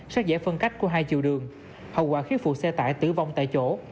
sát giải phân cách của hai chiều đường hậu quả khiếp phụ xe tải tử vong tại chỗ